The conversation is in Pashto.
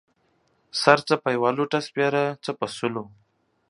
سر څه په يوه لوټۀ سپيره ، څه په سلو.